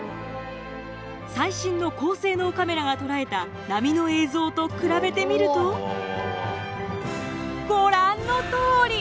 最新の高性能カメラが捉えた波の映像と比べてみるとご覧のとおり！